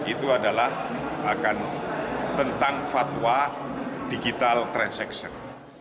itu adalah akan tentang fatwa digital transaction